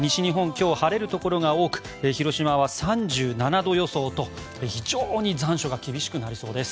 今日、晴れるところが多く広島は３７度予想と非常に残暑が厳しくなりそうです。